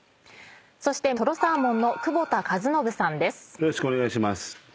よろしくお願いします。